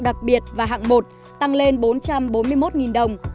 đặc biệt và hạng một tăng lên bốn trăm bốn mươi một đồng